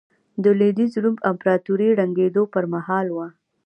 د لوېدیځ روم امپراتورۍ ړنګېدو پرمهال وه.